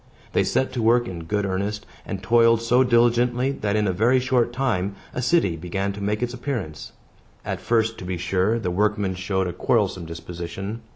They set to work in good earnest, and toiled so diligently, that, in a very short time, a city began to make its appearance. At first, to be sure, the workmen showed a quarrelsome disposition.